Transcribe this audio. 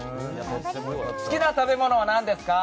好きな食べ物は何ですか？